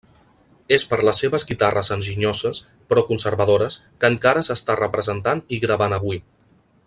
És per les seves guitarres enginyoses, però conservadores, que encara s'està representant i gravant avui.